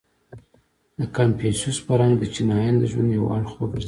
• د کنفوسیوس فرهنګ د چینایانو د ژوند یو اړخ وګرځېد.